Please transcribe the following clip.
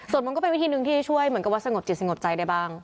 ส่วนมันก็เป็นวิธีหนึ่งที่ช่วยเหมือนกับว่าสงบจิตสงบใจได้บ้าง